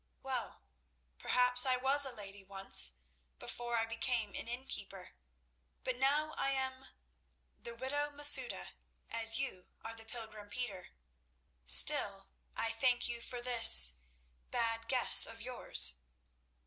Well, perhaps I was a lady once before I became an inn keeper; but now I am—the widow Masouda, as you are the pilgrim Peter. Still, I thank you for this—bad guess of yours."